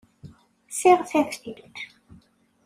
Ssiɣ taftilt.